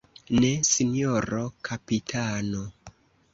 Ne, sinjoro kapitano.